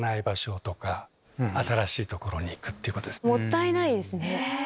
もったいないですね。